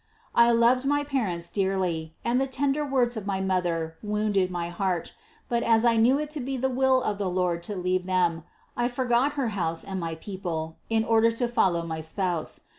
I loved my parents dearly, and the tender words of my mother wounded my heart ; but as I knew it to be the will of the Lord to leave them, I forgot her house and my people in order to follow my Spouse.